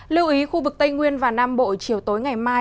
lưu ý khu vực tây nguyên và nam bộ chiều tối ngày mai